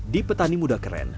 di petani muda keren